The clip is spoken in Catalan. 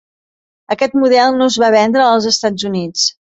Aquest model no es va vendre als Estats Units.